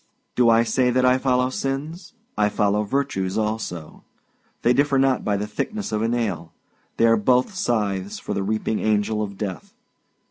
Do I say that I follow sins? I follow virtues also. They differ not by the thickness of a nail; they are both scythes for the reaping angel of Death.